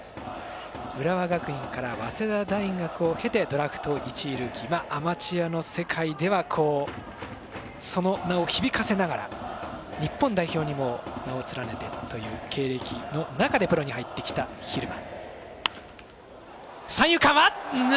浦和学院から早稲田大学を経てドラフト１位ルーキーアマチュアの世界ではその名を響かせながら日本代表にも名を連ねてという経歴の中でプロに入ってきた蛭間。